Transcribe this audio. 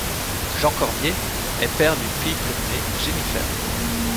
Jean Cormier est père d'une fille prénommée Jennifer.